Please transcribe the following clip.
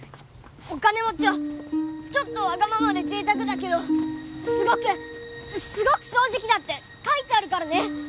お金持ちはちょっとわがままでぜいたくだけどすごくすごく正直だって書いてあるからね。